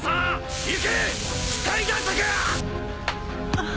あっ。